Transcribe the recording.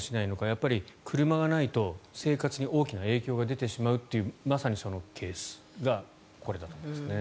やっぱり車がないと、生活に大きな影響が出てしまうというまさにそのケースがこれだということですね。